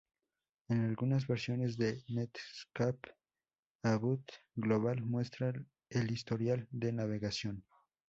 En algunas versiones de Netscape "about:global" muestra el historial de navegación.